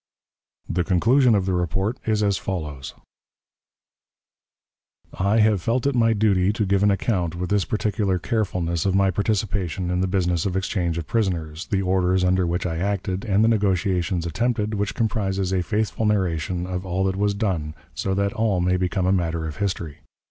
The conclusion of the report is as follows: "I have felt it my duty to give an account with this particular carefulness of my participation in the business of exchange of prisoners, the orders under which I acted, and the negotiations attempted, which comprises a faithful narration of all that was done, so that all may become a matter of history.